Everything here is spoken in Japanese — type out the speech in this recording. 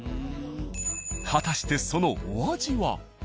果たしてそのお味は。